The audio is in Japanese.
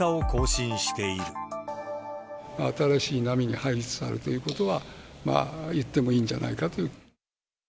新しい波に入りつつあるということは、言ってもいいんじゃないかと。